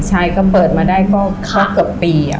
ใช่ก็เปิดมาได้ก็เกือบปี